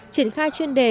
triển khai chuyên đề